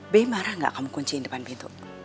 be marah gak kamu kunciin depan pintu